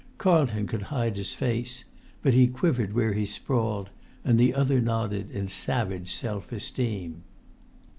Carlton could hide his face, but he quivered where he sprawled, and the other nodded in savage self esteem.